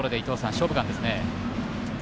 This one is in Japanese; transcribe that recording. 「勝負眼」ですね。